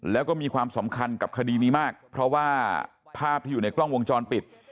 แล้วก็มีความสำคัญกับคดีนี้มากเพราะว่าภาพที่อยู่ในกล้องวงจรปิด